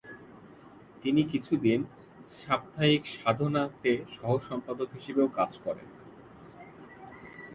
তিনি কিছুদিন "সাপ্তাহিক সাধনা"তে সহ সম্পাদক হিসেবেও কাজ করেন।